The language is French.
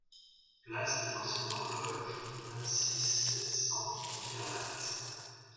Place de l'Ancienne Horloge, vingt-six, sept cents Pierrelatte